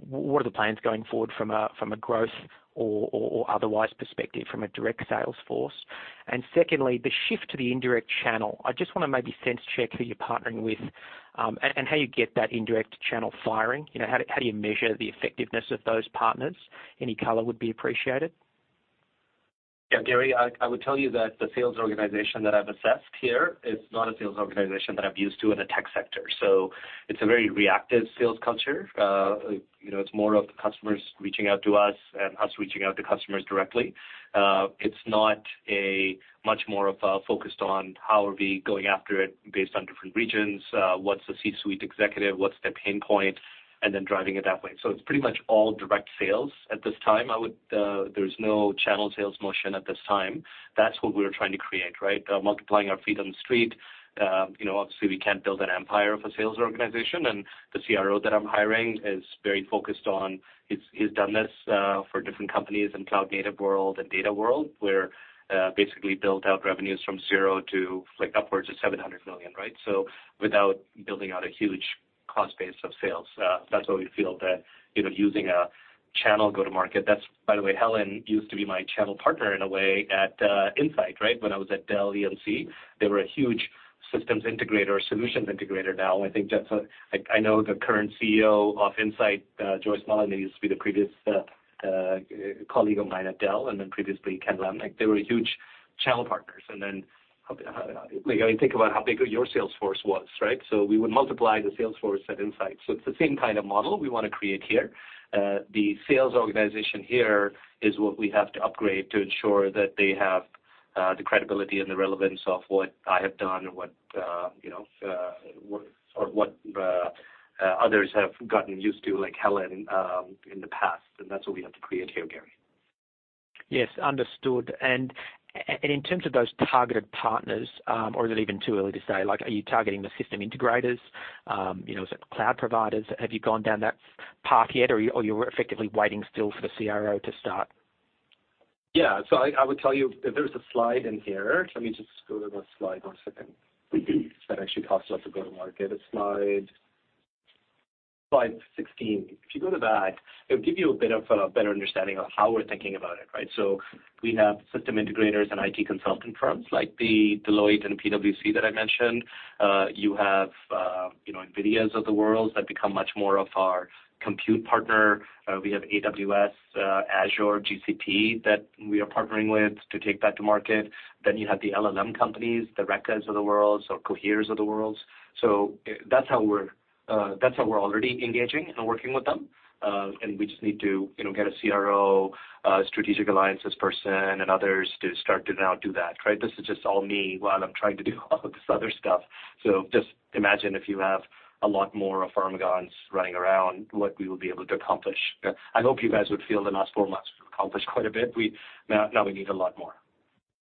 What are the plans going forward from a growth or otherwise perspective from a direct sales force? Secondly, the shift to the indirect channel. I just wanna maybe sense check who you're partnering with and how you get that indirect channel firing. You know, how do you measure the effectiveness of those partners? Any color would be appreciated.
Yeah, Garry, I would tell you that the sales organization that I've assessed here is not a sales organization that I'm used to in the tech sector. It's a very reactive sales culture. You know, it's more of the customers reaching out to us and us reaching out to customers directly. It's not a much more of a focused on how are we going after it based on different regions, what's the C-suite executive, what's their pain point, and then driving it that way. It's pretty much all direct sales at this time. There's no channel sales motion at this time. That's what we're trying to create, right? Multiplying our feet on the street. You know, obviously, we can't build an empire of a sales organization. The CRO that I'm hiring is very focused on... He's done this for different companies in cloud native world and data world, where basically built out revenues from zero to like upwards of $700 million, right. Without building out a huge cost base of sales. That's why we feel that, you know, using a channel go-to-market. By the way, Helen used to be my channel partner in a way at Insight, right. When I was at Dell EMC, they were a huge systems integrator or solutions integrator now. I think like, I know the current CEO of Insight, Joyce Mullen, they used to be the previous colleague of mine at Dell, previously Ken Tsunoda. They were huge channel partners. How Like, when you think about how big your sales force was, right. We would multiply the sales force at Insight. It's the same kind of model we wanna create here. The sales organization here is what we have to upgrade to ensure that they have the credibility and the relevance of what I have done or what, you know, what others have gotten used to like Helen in the past. That's what we have to create here, Garry.
Yes, understood. In terms of those targeted partners, or is it even too early to say, like, are you targeting the system integrators? You know, is it cloud providers? Have you gone down that path yet or you're effectively waiting still for the CRO to start?
Yeah. I would tell you there's a slide in here. Let me just go to that slide one second. That actually talks about the go-to-market slide. Slide 16. If you go to that, it'll give you a bit of a better understanding of how we're thinking about it, right? We have system integrators and IT consulting firms like the Deloitte and PwC that I mentioned. You have, you know, NVIDIA of the world that become much more of our compute partner. We have AWS, Azure, GCP that we are partnering with to take that to market. You have the LLM companies, the Reka of the world, so Cohere of the world. That's how we're, that's how we're already engaging and working with them. We just need to, you know, get a CRO, strategic alliances person and others to start to now do that, right? This is just all me while I'm trying to do all of this other stuff. Just imagine if you have a lot more of Armughans running around, what we will be able to accomplish. I hope you guys would feel the last four months we've accomplished quite a bit. Now we need a lot more.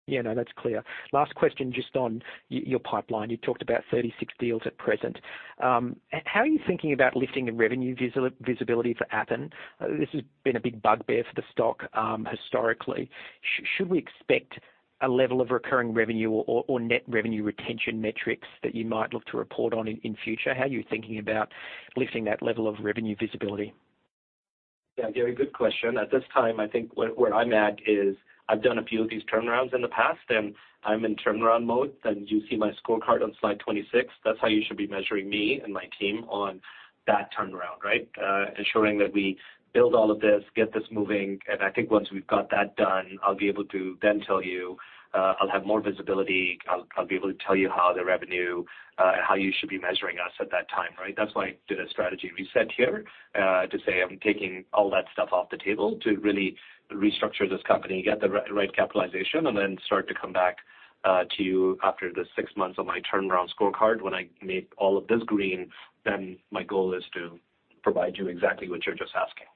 Yeah. No, that's clear. Last question, just on your pipeline. You talked about 36 deals at present. How are you thinking about lifting the revenue visibility for Appen? This has been a big bugbear for the stock historically. Should we expect a level of recurring revenue or net revenue retention metrics that you might look to report on in future? How are you thinking about lifting that level of revenue visibility?
Yeah, Garry, good question. At this time, I think where I'm at is I've done a few of these turnarounds in the past, and I'm in turnaround mode. You see my scorecard on slide 26. That's how you should be measuring me and my team on that turnaround, right? Ensuring that we build all of this, get this moving. I think once we've got that done, I'll be able to then tell you, I'll have more visibility. I'll be able to tell you how the revenue, how you should be measuring us at that time, right? That's why I did a strategy reset here, to say I'm taking all that stuff off the table to really restructure this company, get the right capitalization, and then start to come back to you after the six months of my turnaround scorecard when I made all of this green, then my goal is to provide you exactly what you're just asking.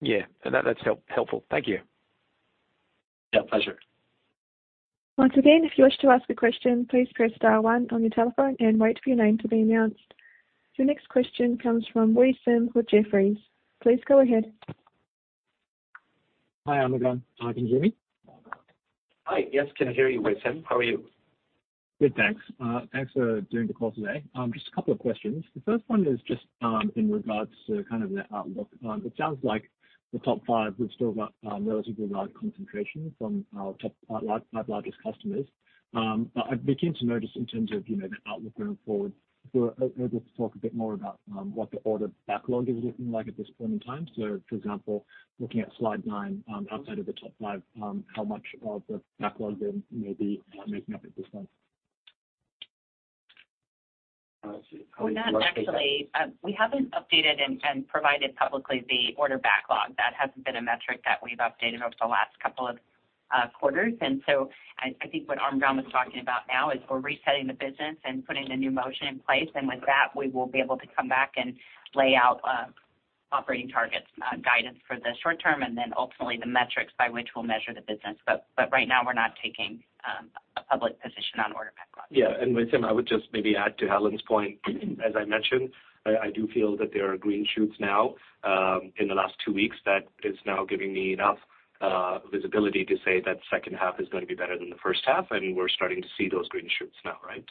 Yeah. That's helpful. Thank you.
Yeah. Pleasure.
Once again, if you wish to ask a question, please press star one on your telephone and wait for your name to be announced. Your next question comes from Wei Sim with Jefferies. Please go ahead.
Hi, Armughan. I can hear me?
Hi. Yes, can hear you, Wei Sim. How are you?
Good, thanks. Thanks for doing the call today. Just a couple of questions. The first one is just in regards to kind of the outlook. It sounds like the top five, we've still got a relatively large concentration from our top five largest customers. I begin to notice in terms of, you know, the outlook going forward, if you were able to talk a bit more about what the order backlog is looking like at this point in time. For example, looking at slide nine, outside of the top five, how much of the backlog then may be making up at this point?
Let's see.
We're not actually, we haven't updated and provided publicly the order backlog. That hasn't been a metric that we've updated over the last couple of quarters. I think what Armughan was talking about now is we're resetting the business and putting a new motion in place. With that, we will be able to come back and lay out operating targets, guidance for the short term, and then ultimately the metrics by which we'll measure the business. Right now, we're not taking a public position on order backlog.
Yeah. Wei Sim, I would just maybe add to Helen's point. As I mentioned, I do feel that there are green shoots now, in the last two weeks that is now giving me enough visibility to say that 2nd half is gonna be better than the 1st half, and we're starting to see those green shoots now, right?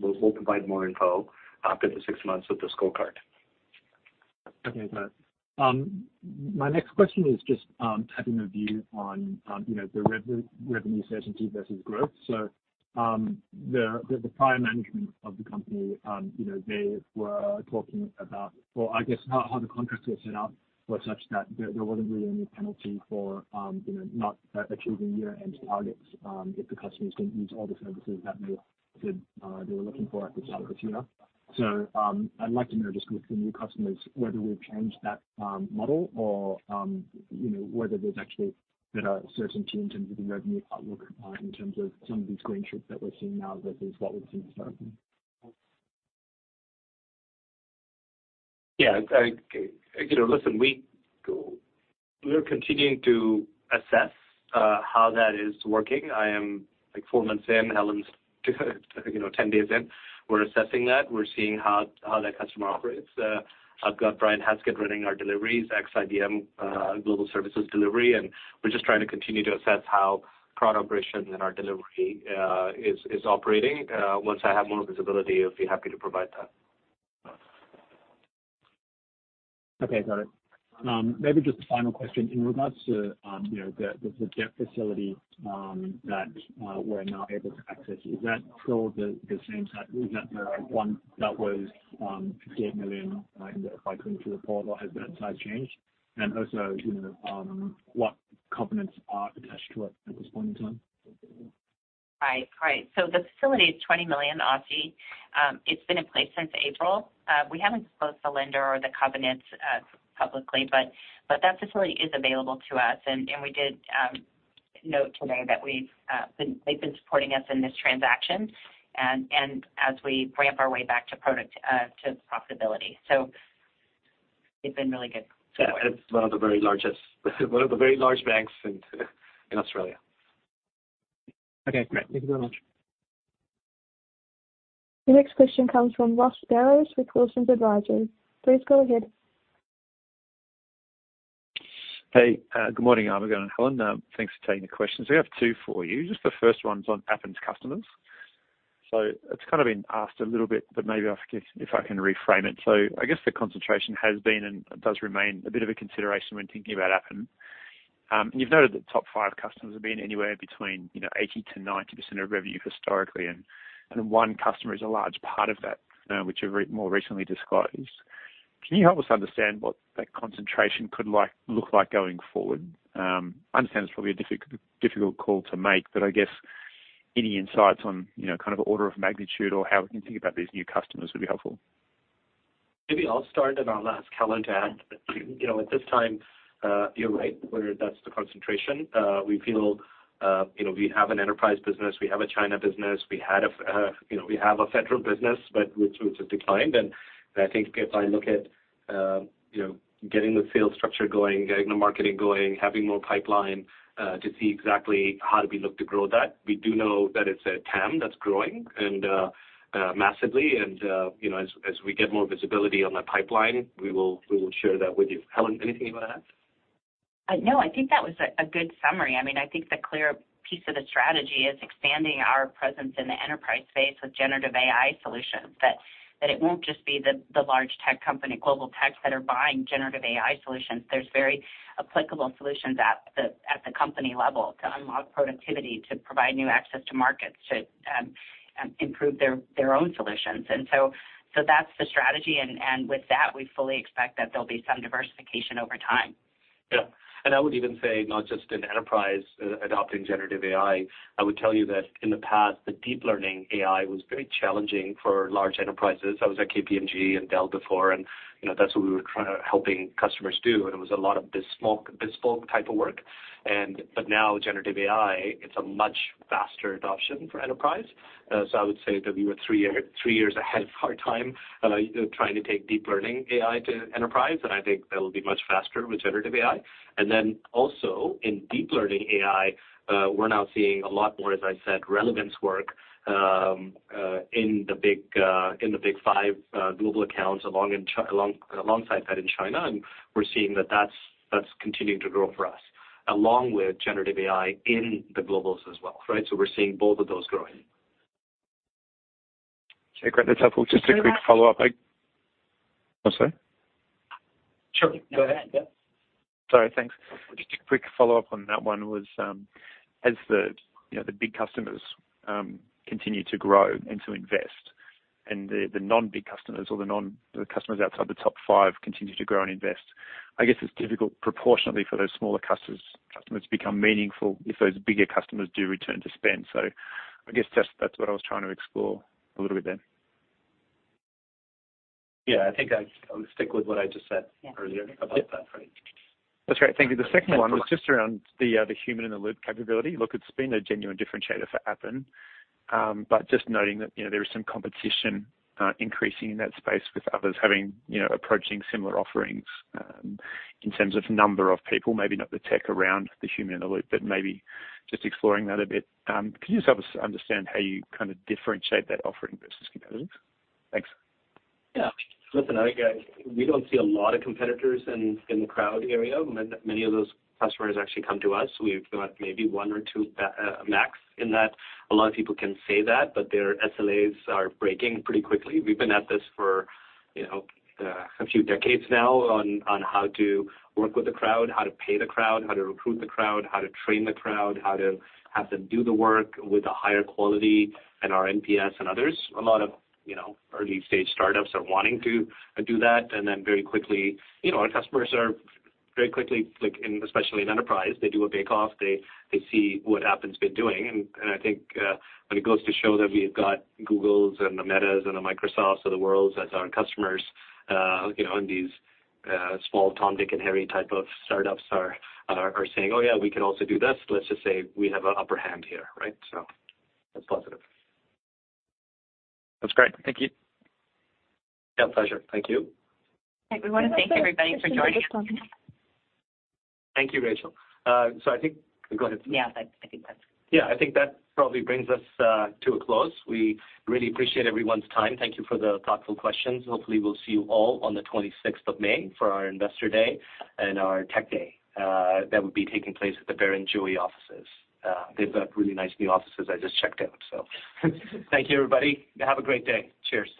We'll, we'll provide more info after the six months of the scorecard.
Okay, got it. My next question is just, you know, having a view on revenue certainty versus growth. The prior management of the company, you know, they were talking about, well, I guess how the contracts were set up were such that there wasn't really any penalty for, you know, not achieving year-end targets if the customers didn't use all the services that they said they were looking for at the start of the year. I'd like to know just with the new customers whether we've changed that model or, you know, whether there's actually better certainty in terms of the revenue outlook in terms of some of these green shoots that we're seeing now versus what we've seen historically?
Yeah. You know, listen, we're continuing to assess how that is working. I am like four months in, Helen's you know, 10 days in. We're assessing that. We're seeing how that customer operates. I've got Brian Haskett running our deliveries, ex-IBM, global services delivery, and we're just trying to continue to assess how crowd operation and our delivery is operating. Once I have more visibility, I'll be happy to provide that.
Okay. Got it. Maybe just a final question. In regards to, you know, the debt facility that we're now able to access, is that still the same size? Is that the one that was 58 million, if I couldn't see the portal, has that size changed? Also, you know, what covenants are attached to it at this point in time?
Right. The facility is 20 million. It's been in place since April. We haven't disclosed the lender or the covenants publicly, but that facility is available to us and we did note today that they've been supporting us in this transaction and as we ramp our way back to product, to profitability. They've been really good.
Yeah. It's one of the very large banks in Australia.
Okay, great. Thank you very much.
The next question comes from Ross Barrows with Wilsons Advisory. Please go ahead.
Hey, good morning, Armughan and Helen. Thanks for taking the questions. We have two for you. Just the first one's on Appen's customers. It's kind of been asked a little bit, but maybe I guess if I can reframe it. I guess the concentration has been and does remain a bit of a consideration when thinking about Appen. You've noted that top five customers have been anywhere between, you know, 80%-90% of revenue historically, and one customer is a large part of that, which you've more recently disclosed. Can you help us understand what that concentration could look like going forward? I understand it's probably a difficult call to make, but I guess any insights on, you know, kind of order of magnitude or how we can think about these new customers would be helpful.
Maybe I'll start and I'll ask Helen to add. You know, at this time, you're right, where that's the concentration. We feel, you know, we have an enterprise business, we have a China business, we had a, you know, we have a federal business, but which has declined. I think if I look at, you know, getting the sales structure going, getting the marketing going, having more pipeline, to see exactly how do we look to grow that, we do know that it's a TAM that's growing and massively. As we get more visibility on the pipeline, we will share that with you. Helen, anything you wanna add?
No, I think that was a good summary. I mean, I think the clear piece of the strategy is expanding our presence in the enterprise space with generative AI solutions. That it won't just be the large tech company, global techs that are buying generative AI solutions. There's very applicable solutions at the company level to unlock productivity, to provide new access to markets, to improve their own solutions. That's the strategy. With that, we fully expect that there'll be some diversification over time.
Yeah. I would even say not just in enterprise adopting generative AI, I would tell you that in the past, the deep learning AI was very challenging for large enterprises. I was at KPMG and Dell before, you know, that's what we were helping customers do, and it was a lot of bespoke type of work. Now generative AI, it's a much faster adoption for enterprise. I would say that we were three years ahead of our time, you know, trying to take deep learning AI to enterprise, and I think that'll be much faster with generative AI. Also in deep learning AI, we're now seeing a lot more, as I said, relevance work in the big five global accounts alongside that in China. We're seeing that's continuing to grow for us, along with generative AI in the globals as well, right? We're seeing both of those growing.
Okay, great. That's helpful. Just a quick follow-up.
One last.
Oh, sorry.
Sure. Go ahead. Yeah.
No, go ahead.
Sorry. Thanks. Just a quick follow-up on that one was, as the, you know, the big customers, continue to grow and to invest and the non-big customers or the customers outside the top five continue to grow and invest, I guess it's difficult proportionately for those smaller customers to become meaningful if those bigger customers do return to spend. I guess that's what I was trying to explore a little bit then.
Yeah. I think I'll stick with what I just said.
Yeah
Earlier about that, right?
That's great. Thank you. The second one was just around the human in the loop capability. Look, it's been a genuine differentiator for Appen. Just noting that, you know, there is some competition increasing in that space with others having, you know, approaching similar offerings in terms of number of people, maybe not the tech around the human in the loop, but maybe just exploring that a bit. Could you just help us understand how you kind of differentiate that offering versus competitors? Thanks.
Yeah. Listen, we don't see a lot of competitors in the crowd area. Many of those customers actually come to us. We've got maybe one or two max in that. A lot of people can say that, but their SLAs are breaking pretty quickly. We've been at this for, you know, a few decades now on how to work with the crowd, how to pay the crowd, how to recruit the crowd, how to train the crowd, how to have them do the work with a higher quality than our NPS and others. A lot of, you know, early-stage startups are wanting to do that. Very quickly. You know, our customers are very quickly, like especially in enterprise, they do a bake off. They see what Appen's been doing. I think when it goes to show that we've got Googles and the Metas and the Microsofts of the worlds as our customers, you know, and these small Tom, Dick, and Harry type of startups are saying, "Oh yeah, we could also do this." Let's just say we have an upper hand here, right? That's positive.
That's great. Thank you.
Yeah. Pleasure. Thank you.
I think we wanna thank everybody for joining us.
That's it. I think that's all.
Thank you, Rachel. Go ahead.
Yeah. I think.
Yeah, I think that probably brings us to a close. We really appreciate everyone's time. Thank you for the thoughtful questions. Hopefully, we'll see you all on the 26th of May for our Investor Day and our Tech Day that will be taking place at the Barrenjoey offices. They've got really nice new offices I just checked out. Thank you, everybody. Have a great day. Cheers.